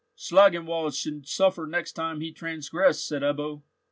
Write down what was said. "Schlangenwald should suffer next time he transgressed," said Ebbo.